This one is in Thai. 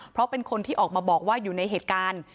เพราะเป็นคนที่ออกมาบอกว่าอยู่ในเหตุการณ์